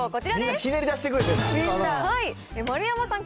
ひねり出してくれてんの。